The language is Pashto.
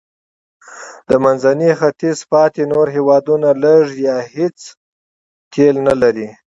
د منځني ختیځ پاتې نور هېوادونه لږ یا هېڅ نفت نه لري.